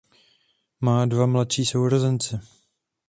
Má dva mladší sourozence.